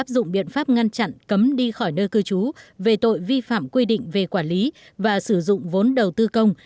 dụng biện pháp ngăn chặn cấm đi khỏi nơi cư trú về tội vi phạm quy định về quản lý và sử dụng vốn đầu tư công